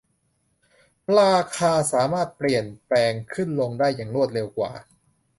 ราคาสามารถเปลี่ยนแปลงขึ้นลงได้อย่างรวดเร็วกว่า